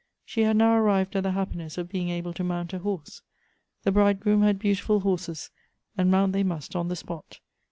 She had now arrived at the happiness of being able to mount a horse. The bridegroom had beautiful horses, and mount they must on the spot.